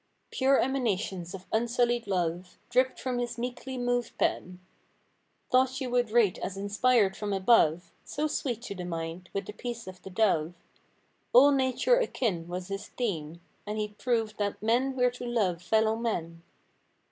Pure emanations of unsullied love, Dripped from his meekly moved pen. Thoughts you would rate as inspired from above; So sweet to the mind—with the peace of the dove— "All nature akin" was his theme. And he'd prove That men were to love fellow men.